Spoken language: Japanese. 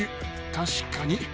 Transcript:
確かに。